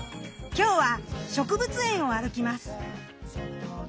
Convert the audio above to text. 今日は植物園を歩きます。